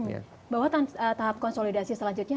bahwa tahap konsolidasi selanjutnya